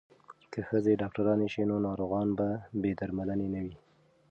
که ښځې ډاکټرانې شي نو ناروغان به بې درملنې نه وي.